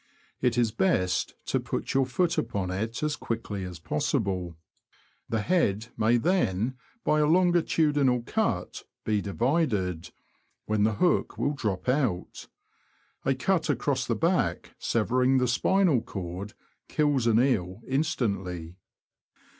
It is best to put your foot upon it as quickly as possible. The head may then, by a longi tudinal cut, be divided, when the hook will drop out. A cut across the back, severing the spinal cord, kills an eel instantly.